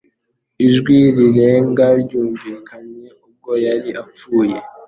Ijwi rirenga ryumvikanye ubwo yari apfuye,